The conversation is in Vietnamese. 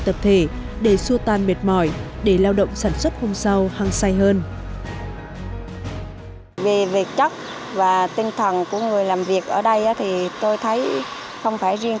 tập thể để xua tan mệt mỏi để lao động sản xuất hôm sau hăng say hơn